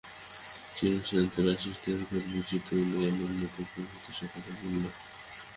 চিন্তারাশির এই সংঘর্ষ ও বৈচিত্র্যই জ্ঞান উন্নতি প্রভৃতি সকলের মূলে।